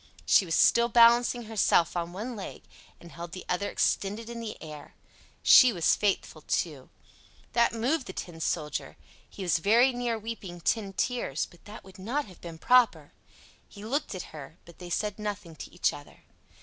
She was still balancing herself on one leg and held the other extended in the air. She was faithful, too. That moved the Tin Soldier: he was very near weeping tin tears, but that would not have been proper. He looked at her, but they said nothing to each other.